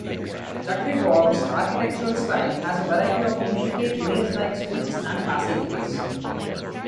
Jakriborg's architectural style has a variety of intricate maze-like streets and passageways.